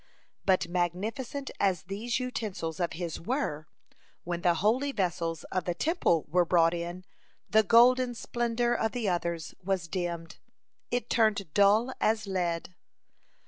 (21) But magnificent as these utensils of his were, when the holy vessels of the Temple were brought in, the golden splendor of the others was dimmed; it turned dull as lead.